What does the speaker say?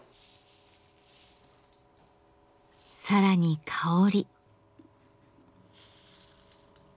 更に香り。